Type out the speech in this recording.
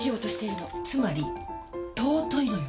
つまり尊いのよ！